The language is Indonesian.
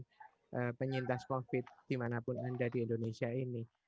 untuk penyintas covid dimanapun anda di indonesia ini